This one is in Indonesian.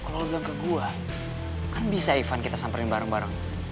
kalau lo bilang ke gua kan bisa ivan kita samperin bareng bareng